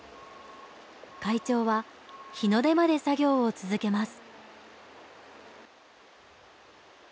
会長は日の出まで作業を続けます。